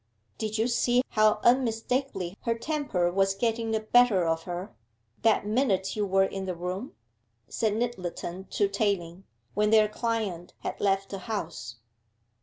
'Did you see how unmistakably her temper was getting the better of her, that minute you were in the room?' said Nyttleton to Tayling, when their client had left the house.